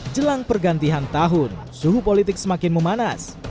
jelang pergantian tahun suhu politik semakin memanas